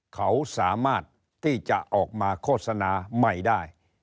เขาสามารถที่จะออกมาโฆษณาใหม่ได้